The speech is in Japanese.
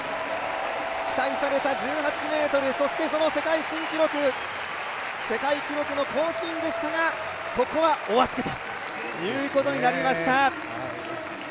期待された１８ｍ、そしてその世界新記録、世界記録の更新でしたが、ここはお預けということになりました。